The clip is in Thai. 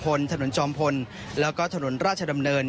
ผ่านรากราชดำเนิน